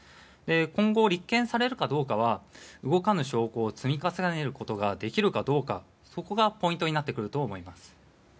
今後、立件されるかどうかは動かぬ証拠を積み重ねることができるかどうかそこがポイントになってくると思います。